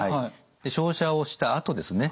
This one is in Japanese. で照射をしたあとですね